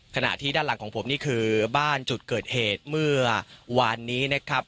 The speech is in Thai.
ขณะที่ด้านหลังของผมนี่คือบ้านจุดเกิดเหตุเมื่อวานนี้นะครับ